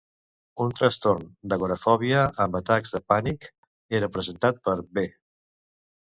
Un trastorn d'agorafòbia amb atacs de pànic era presentat per B.